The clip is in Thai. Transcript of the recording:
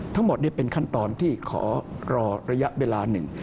ทั้งหมดเป็นขั้นตอนที่ขอรอระยะเวลาหนึ่ง